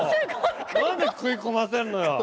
なんで食い込ませるのよ！